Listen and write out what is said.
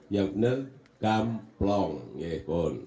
yang benar gamplong yee pun